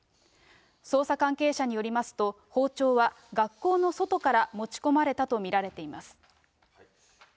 捜査関係者によりますと、包丁は学校の外から持ち込まれたと見られています。